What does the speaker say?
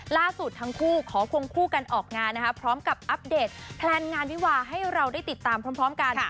ล่าสุดทั้งคู่ขอควงคู่กันออกงานนะคะพร้อมกับอัปเดตแพลนงานวิวาให้เราได้ติดตามพร้อมกัน